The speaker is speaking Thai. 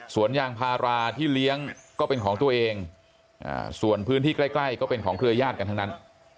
ยางพาราที่เลี้ยงก็เป็นของตัวเองส่วนพื้นที่ใกล้ก็เป็นของเครือญาติกันทั้งนั้น